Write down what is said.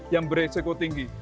yang beresiko tinggi